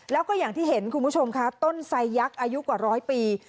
แล้วก็อย่างที่เห็นคุณผู้ชมค่ะต้นไซยักษ์อายุกว่าร้อยปี